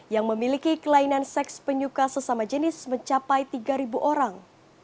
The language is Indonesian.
yang memiliki kelainan seks penyuka sesama jenis mencapai tiga orang